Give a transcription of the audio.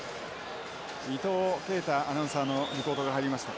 伊藤慶太アナウンサーのリポートが入りました。